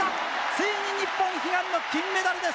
ついに日本悲願の金メダルです！